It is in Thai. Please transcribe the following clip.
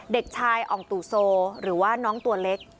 เด็กชายอ่องตู่โซหรือว่าน้องตัวเล็ก